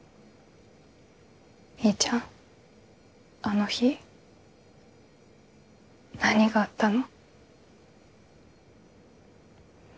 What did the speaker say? みーちゃんあの日何があったの？